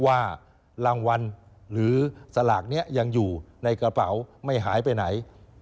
ว่ารางวัลหรือสลากนี้ยังอยู่ในกระเป๋าไม่หายไปไหน